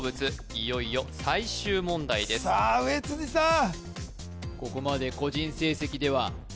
いよいよ最終問題ですさあ上辻さん